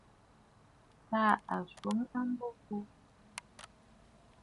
Tàà a swoŋ a mbo bo.